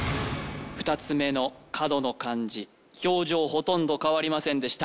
２つ目の角の漢字表情ほとんど変わりませんでした